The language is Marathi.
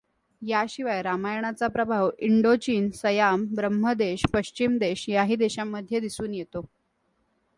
याशिवाय रामायणाचा प्रभाव इंडोचीन, सयाम, ब्रह्मदेश, पश्चिमी देश याही देशांमध्ये दिसून येतो.